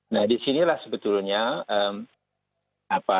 nah disinilah sebetulnya